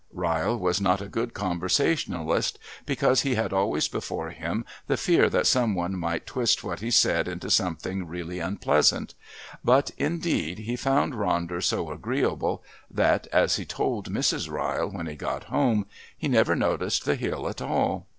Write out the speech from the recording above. Ryle was not a good conversationalist, because he had always before him the fear that some one might twist what he said into something really unpleasant, but, indeed, he found Ronder so agreeable that, as he told Mrs. Ryle when he got home, he "never noticed the hill at all."